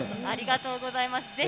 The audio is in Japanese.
ありがとうございます。